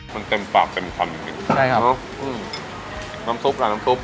มันเต็มปากเต็มคำจริงจริงใช่ครับผมอืมน้ำซุปล่ะน้ำซุป